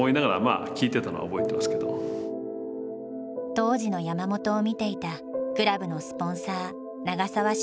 当時の山本を見ていたクラブのスポンサー長澤重俊さん。